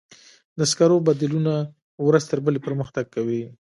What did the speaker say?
د سکرو بدیلونه ورځ تر بلې پرمختګ کوي.